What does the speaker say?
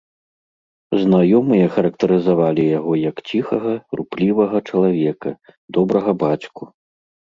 Знаёмыя характарызавалі яго як ціхага, руплівага чалавека, добрага бацьку.